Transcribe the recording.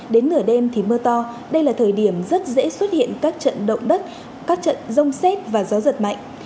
đến nửa đêm thì mưa to đây là thời điểm rất dễ xuất hiện các trận động đất các trận rông xét và gió giật mạnh